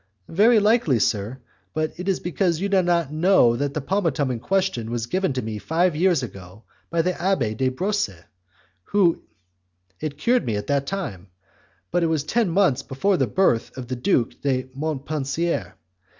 "Very likely, sir, but it is because you do not know that the pomatum in question was given to me five years ago by the Abbé de Brosses; it cured me at that time, but it was ten months before the birth of the Duke de Montpensier.